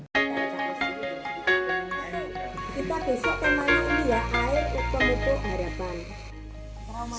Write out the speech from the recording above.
kita besok kemarin dia air untuk pembentuk harapan